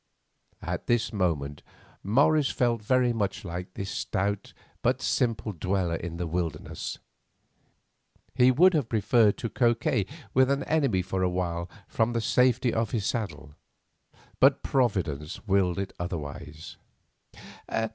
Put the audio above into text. At this moment Morris felt very much like this stout but simple dweller in the wilderness. He would have preferred to coquet with the enemy for a while from the safety of his saddle. But Providence willed it otherwise.